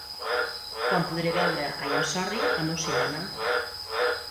Quan podré veure I am Sorry al meu cinema